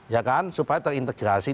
ya kan supaya terintegrasi